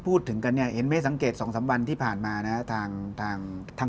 พูดเรื่องนี้อย่างเป็นต่อเลือกทุกวัน